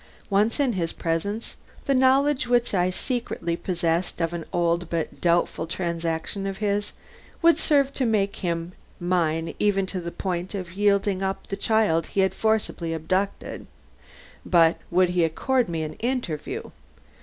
Once in his presence, the knowledge which I secretly possessed of an old but doubtful transaction of his, would serve to make him mine even to the point of yielding up the child he had forcibly abducted. But would he accord me an interview?